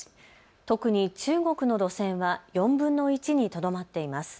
特に中国の路線は４分の１にとどまっています。